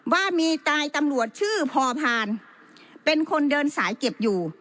ว่ามีนายตำรวจชื่อพอพานเป็นคนเดินสายเก็บอยู่